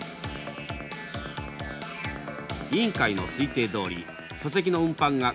委員会の推定どおり巨石の運搬が下り坂か